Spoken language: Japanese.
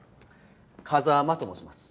風真と申します。